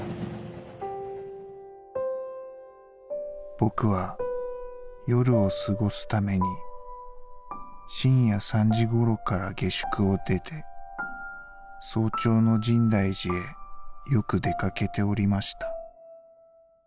「僕は夜を過ごす為に深夜３時頃から下宿を出て早朝の深大寺へよく出掛けておりました。